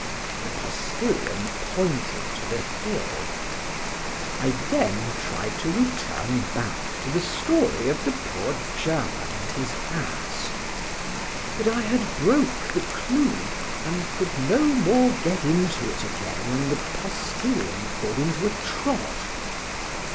The postilion pointed to the hill.—I then tried to return back to the story of the poor German and his ass—but I had broke the clue,—and could no more get into it again, than the postilion could into a trot.